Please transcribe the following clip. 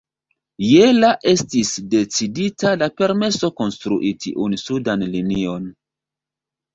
Je la estis decidita la permeso konstrui tiun sudan linion.